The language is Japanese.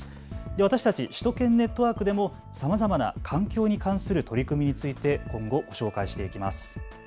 で私たち首都圏ネットワークでもさまざまな環境に関する取り組みについて今後、ご紹介していきます。